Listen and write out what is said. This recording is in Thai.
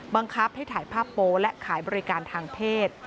บังคับให้ถ่ายภาพโป๊และขายบริการทางเพศ